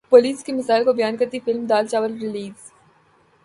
police کے مسائل کو بیان کرتی فلم دال چاول ریلیز